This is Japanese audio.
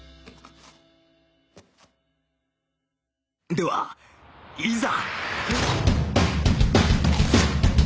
ではいざ！